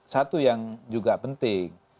satu yang juga penting